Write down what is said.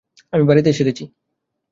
আমি বাড়িতে এসে গেছি।